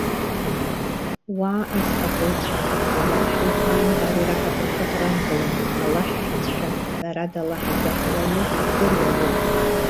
Уа, азхаҵаҩцәа! Аллаҳи иԥааимбари раҳаҭыр шәаӷрамгылан. Аллаҳ шәицәшәа. Ҳәарада, Аллаҳ изаҳауа иоуп, издыруа иоуп.